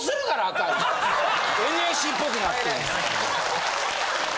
ＮＳＣっぽくなって。